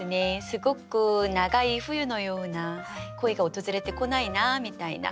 すごく永い冬のような恋が訪れてこないなみたいな。